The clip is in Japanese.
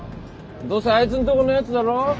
どうせあいつんとこのやつだろ？